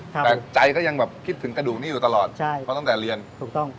แต่ใจก็ยังแบบคิดถึงกระดูกนี้อยู่ตลอดใช่เพราะตั้งแต่เรียนถูกต้อง